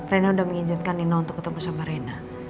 reina udah menginjatkan nino untuk ketemu sama reina